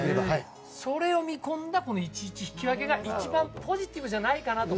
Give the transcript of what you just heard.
それを見込んだ、この１−１引き分けが一番ポジティブじゃないかなと。